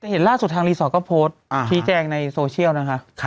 เห็นล่าสุดทางรีสอร์ทก็โพสต์ชี้แจงในโซเชียลนะคะ